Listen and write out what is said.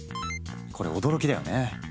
これ驚きだよね。